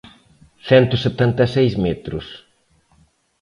Cento setenta e seis metros.